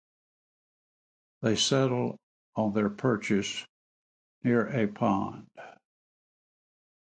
They settled on their trenches near a pond.